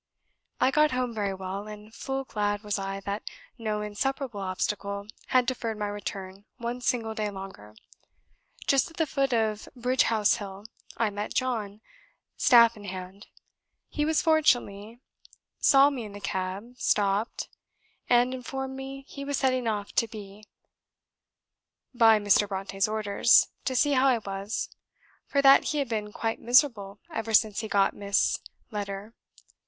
I got home very well, and full glad was I that no insuperable obstacle had deferred my return one single day longer. Just at the foot of Bridgehouse hill, I met John, staff in hand; he fortunately saw me in the cab, stopped, and informed me he was setting off to B , by Mr. Brontë's orders, to see how I was, for that he had been quite miserable ever since he got Miss 's letter.